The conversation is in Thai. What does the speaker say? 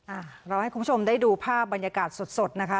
เราให้คุณผู้ชมได้ดูภาพบรรยากาศสดสดนะคะ